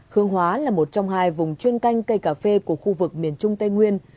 hương hóa là một trong hai vùng chuyên canh cây cà phê của khu vực miền trung tây nguyên